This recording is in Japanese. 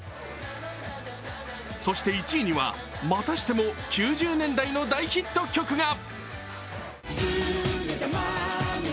そして１位にはまたしても９０年代の大ヒット曲が。